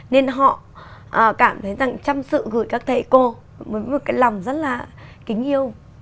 nên họ cảm thấy rằng trăm sự gửi các thầy cô với một cái lòng rất là kính yêu